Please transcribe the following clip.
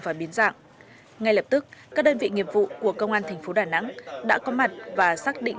và biến dạng ngay lập tức các đơn vị nghiệp vụ của công an thành phố đà nẵng đã có mặt và xác định